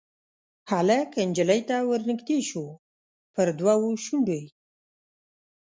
هلک نجلۍ ته ورنیژدې شو پر دوو شونډو یې